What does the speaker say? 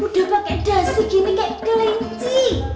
udah pake dasi gini kayak kelinci